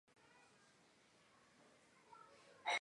楔和是可结合及可交换的二元运算。